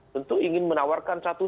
tentu ingin menawarkan satu